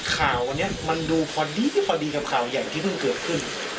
ข่าวอันนี้มันดูพอดีพอดีกับข่าวใหญ่ที่เพิ่งเกิดขึ้น